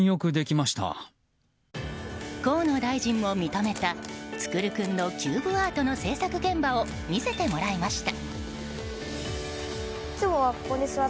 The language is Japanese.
河野大臣も認めた創君のキューブアートの制作現場を見せてもらいました。